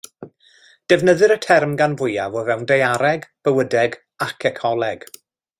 Defnyddir y term gan fwyaf o fewn daeareg, bywydeg ac ecoleg.